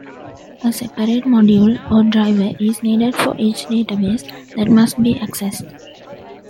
A separate module or driver is needed for each database that must be accessed.